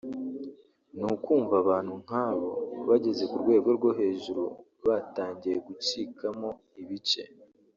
ni ukumva abantu nk’abo bageze ku rwego rwo hejuru batangiye gucikamo ibice